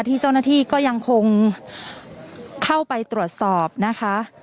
ที่เจ้าหน้าที่ก็ยังคงเข้าไปตรวจสอบนะคะ